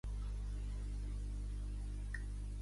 Va viatjar a l'Àsia Central, probablement al país dels uigurs.